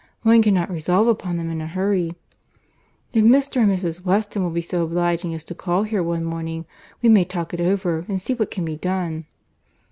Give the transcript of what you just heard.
One cannot resolve upon them in a hurry. If Mr. and Mrs. Weston will be so obliging as to call here one morning, we may talk it over, and see what can be done."